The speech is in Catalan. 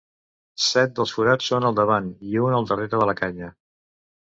Set dels forats són al davant, i un al darrere de la canya.